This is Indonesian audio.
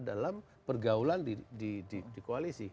dalam pergaulan di koalisi